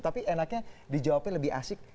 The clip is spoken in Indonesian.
tapi enaknya dijawabnya lebih asik